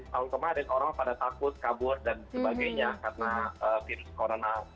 tahun kemarin orang pada takut kabur dan sebagainya karena virus corona